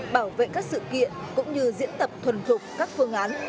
bảo vệ các sự kiện cũng như diễn tập thuần thục các phương án